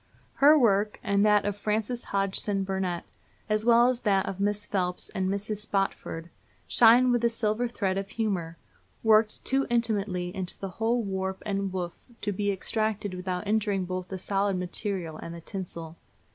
Her work, and that of Frances Hodgson Burnett, as well as that of Miss Phelps and Mrs. Spofford, shine with a silver thread of humor, worked too intimately into the whole warp and woof to be extracted without injuring both the solid material and the tinsel.